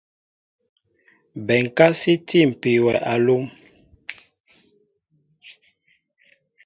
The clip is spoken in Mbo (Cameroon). Bɛnká sí tîpi wɛ alúm.